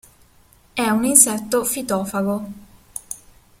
È un insetto fitofago.